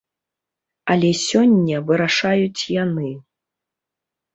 Але сёння вырашаюць яны.